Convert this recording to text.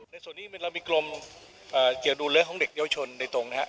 ในส่วนนี้เรามีกรมเกี่ยวดูเรื่องของเด็กเยาวชนโดยตรงนะครับ